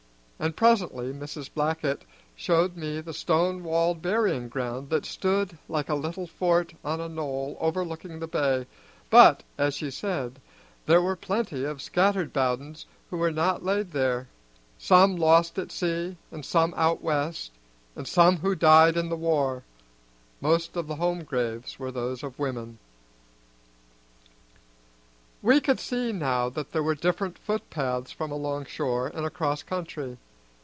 And presently Mrs. Blackett showed me the stone walled burying ground that stood like a little fort on a knoll overlooking the bay, but, as she said, there were plenty of scattered Bowdens who were not laid there, some lost at sea, and some out West, and some who died in the war; most of the home graves were those of women. We could see now that there were different footpaths from along shore and across country.